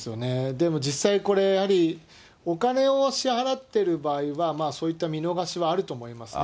でも実際、これ、やはりお金を支払っている場合は、そういった見逃しはあると思いますね。